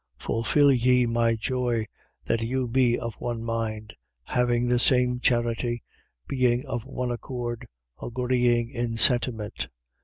Fulfil ye my joy, that you be of one mind, having the same charity, being of one accord, agreeing in sentiment.